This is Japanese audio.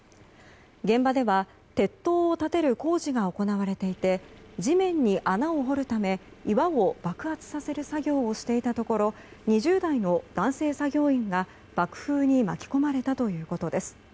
現場では鉄塔を建てる工事が行われていて地面に穴を掘るため岩を爆発させる作業をしていたところ２０代の男性作業員が爆風に巻き込まれたということです。